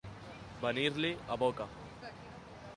Venir-li a boca.